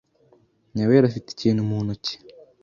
Nyawera afite ikintu mu ntoki.